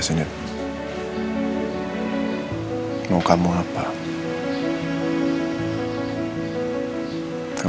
tidak ada yang nanya apa apa